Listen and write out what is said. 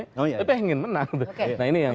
tapi pengen menang